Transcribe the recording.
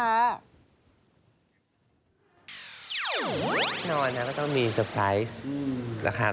ทั้งวันนั้นก็ต้องมีสไฟร์ไซส์ละคร